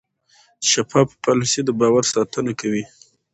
شفاف پالیسي د باور ساتنه کوي.